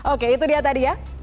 oke itu dia tadi ya